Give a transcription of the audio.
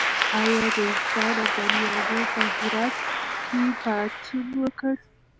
آیا د افغانستان ابدالیانو په هرات کې پاڅون وکړ؟